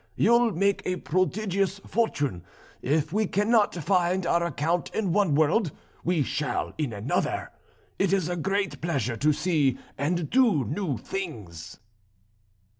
You'll make a prodigious fortune; if we cannot find our account in one world we shall in another. It is a great pleasure to see and do new things."